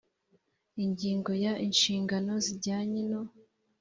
ingingo ya inshingano zijyanye no